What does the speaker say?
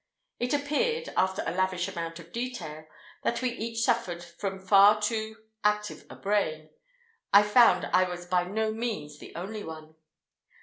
It appeared—after a lavish amount of detail—that we each suffered from far too active a brain; I found I was by no means the only one!